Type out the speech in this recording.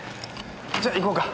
じゃあ行こうか。